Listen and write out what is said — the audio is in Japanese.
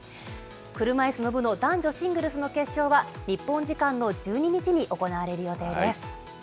車いすの部の男女シングルスの決勝は、日本時間の１２日に行われる予定です。